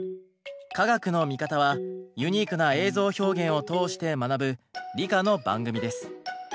「カガクノミカタ」はユニークな映像表現を通して学ぶ理科の番組です。